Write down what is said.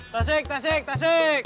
tasik tasik tasik